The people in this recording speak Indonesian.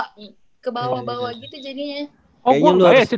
ke bawah bawah gitu jadinya